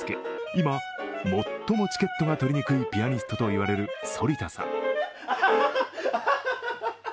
今、最もチケットが取りにくいピアニストと言われる反田さん。